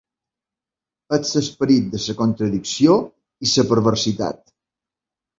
És l'esperit de la contradicció i la perversitat.